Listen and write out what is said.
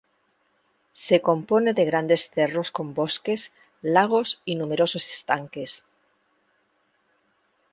Se compone de grandes cerros con bosques, lagos y numerosos estanques.